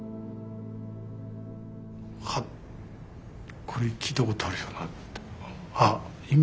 はっこれ聴いたことあるよなって。